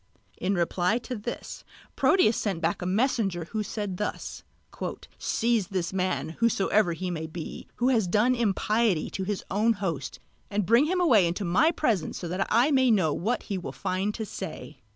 In reply to this Proteus sent back a messenger who said thus: "Seize this man, whosoever he may be, who has done impiety to his own host, and bring him away into my presence that I may know what he will find to say."